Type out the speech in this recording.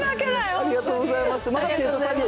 ありがとうございます。